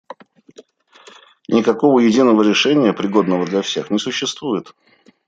Никакого единого решения, пригодного для всех, не существует.